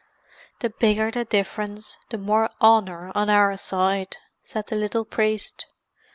"The bigger the difference, the more honour on our side," said the little priest.